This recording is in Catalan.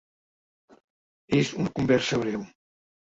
És una conversa breu.